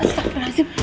sah sah sah